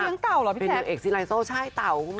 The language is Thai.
เลี้ยงเต่าเหรอพี่แซมเป็นหนึ่งเอกซีไลน์โซ่ใช่เต่าคุณผู้ชม